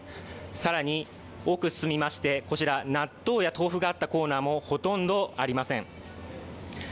更に、奥進みまして、納豆や豆腐があったコーナーもほとんどありません。